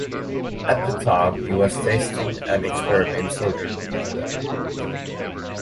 At the time, he was testing an experimental rebreather.